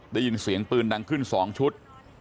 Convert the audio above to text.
ได้ยินเสียงปืนดังขึ้น๒ชุด